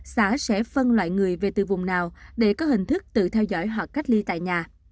xã sẽ phân loại người về từ vùng nào để có hình thức tự theo dõi hoặc cách ly tại nhà